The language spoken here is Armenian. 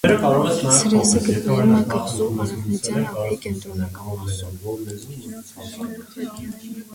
Ցրեսը գտնվում է կղզու արևմտյան ափի կենտրոնական մասում։